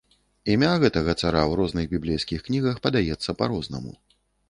Імя гэтага цара ў розных біблейскіх кнігах падаецца па-рознаму.